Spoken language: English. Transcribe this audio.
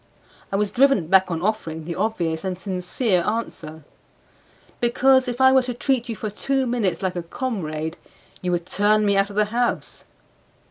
I was driven back on offering the obvious and sincere answer "Because if I were to treat you for two minutes like a comrade you would turn me out of the house."